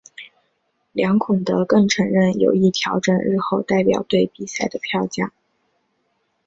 梁孔德更承认有意调整日后代表队比赛的票价。